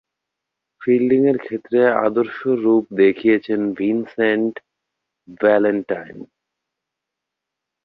ফিল্ডিংয়ের ক্ষেত্রে আদর্শ রূপ দেখিয়েছেন ভিনসেন্ট ভ্যালেন্টাইন।